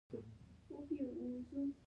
د لاهور ډریوران مې مخې ته ودرېدل.